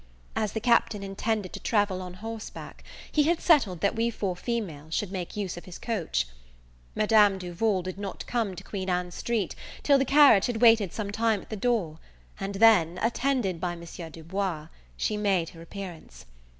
As the Captain intended to travel on horseback, he had settled that we four females should make use of his coach. Madame Duval did not come to Queen Ann Street till the carriage had waited some time at the door; and then, attended by Monsieur Du Bois, she made her appearance.